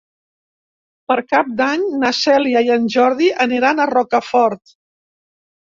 Per Cap d'Any na Cèlia i en Jordi aniran a Rocafort.